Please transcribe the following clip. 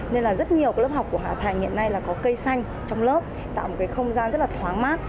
nên là rất nhiều lớp học của hạ thành hiện nay là có cây xanh trong lớp tạo một cái không gian rất là thoáng mát